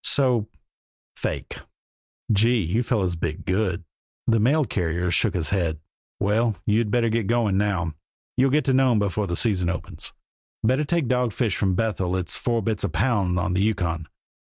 So fake!" "Gee! You fellers bit good." The mail carrier shook his head. "Well! You'd better keep going now; you'll get to Nome before the season opens. Better take dogfish from Bethel it's four bits a pound on the Yukon.